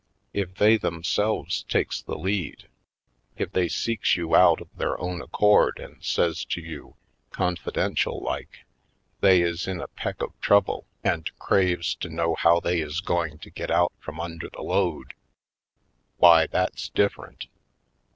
If they themselves takes the lead — if they seeks you out of their own accord and says to you, confidential like, they is in a peck of trouble and craves to know how they is going to get out from under the load — why, that's different.